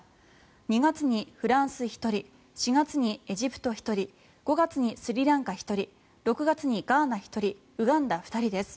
２月にフランス１人４月にエジプト１人５月にスリランカ１人６月にガーナ１人ウガンダ２人です。